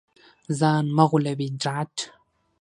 ځان مه غولوې ډارت